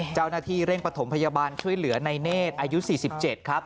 เจ้าหน้าที่เร่งประถมพยาบาลช่วยเหลือในเนธอายุ๔๗ครับ